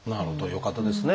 よかったですね。